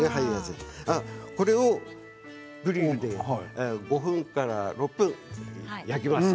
これをグリルで５分から６分焼きます。